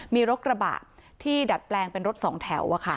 มีรถกระบะที่ดัดแปลงเป็นรถสองแถว